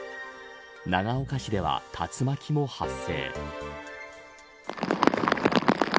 長岡市では竜巻も発生。